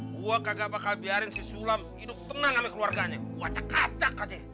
gue kagak bakal biarin si sulam hidup tenang sama keluarganya gue cekak cek aja